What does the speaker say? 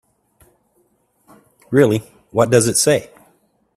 Really, what does it say?